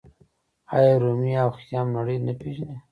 آیا رومي او خیام نړۍ نه پیژني؟